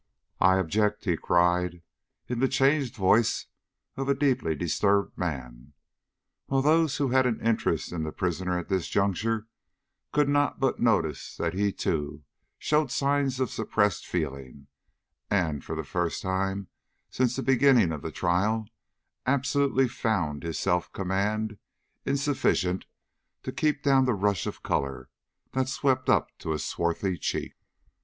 "I object!" he cried, in the changed voice of a deeply disturbed man, while those who had an interest in the prisoner at this juncture, could not but notice that he, too, showed signs of suppressed feeling, and for the first time since the beginning of the trial, absolutely found his self command insufficient to keep down the rush of color that swept up to his swarthy cheek.